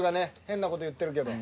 変な事言ってるけど。